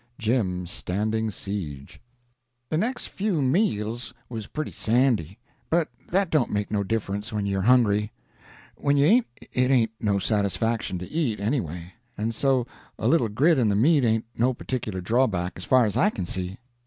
JIM STANDING SIEGE The next few meals was pretty sandy, but that don't make no difference when you are hungry; and when you ain't it ain't no satisfaction to eat, anyway, and so a little grit in the meat ain't no particular drawback, as far as I can see.